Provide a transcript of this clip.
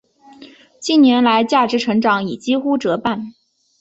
近年来价值成长已经几乎折半。